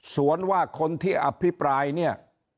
สวนว่าคนที่อภิปรายเนี่ย